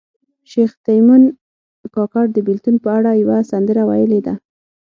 شیخ تیمن کاکړ د بیلتون په اړه یوه سندره ویلې ده